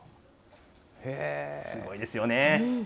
すごいですよね。